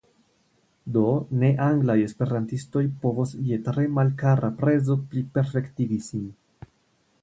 Do, ne-anglaj esperantistoj povos je tre malkara prezo pliperfektigi sin.